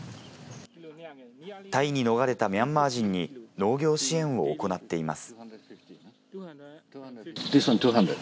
タイに逃れたミャンマー人に農業支援を行っています。